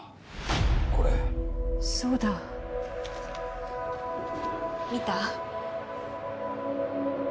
これそうだ見た？